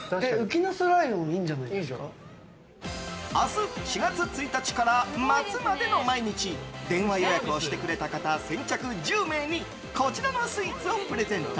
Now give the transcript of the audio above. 明日４月１日から末までの毎日電話予約をしてくれた方先着１０名にこちらのスイーツをプレゼント。